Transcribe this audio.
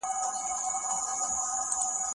نن په سلگو كي د چا ياد د چا دستور نه پرېږدو.